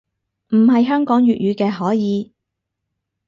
唔係香港粵語嘅可以